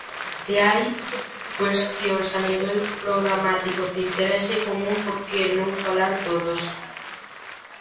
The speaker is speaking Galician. Se hai cuestións a nivel programático de interese común, por que non falar todos?